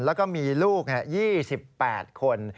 แล้วก็มีลูก๒๘คน